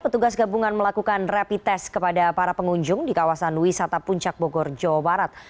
petugas gabungan melakukan rapid test kepada para pengunjung di kawasan wisata puncak bogor jawa barat